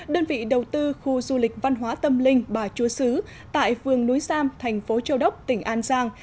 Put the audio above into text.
đơn vị đầu tư khu du lịch văn hóa tâm linh bà chúa sứ tại phường núi sam thành phố châu đốc tỉnh an giang